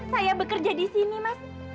saya bekerja disini mas